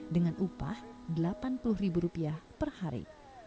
dengan upah delapan puluh ribu rupiah per hari